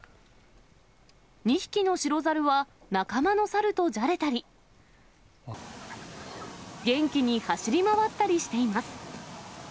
２匹の白猿は、仲間のサルとじゃれたり、元気に走り回ったりしています。